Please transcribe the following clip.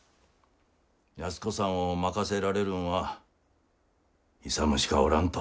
安子さんを任せられるんは勇しかおらんと。